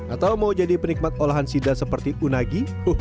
atau mau jadi penikmat olahan sida seperti unagi